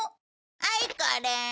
はいこれ。